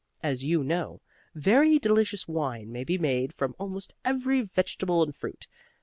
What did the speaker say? As you know, very delicious wine may be made from almost every vegetable and fruit.